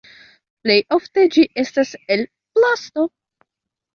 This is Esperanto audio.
Plejofte ĝi estas el plasto.